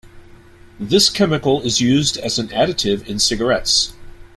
This chemical is used as an additive in cigarettes.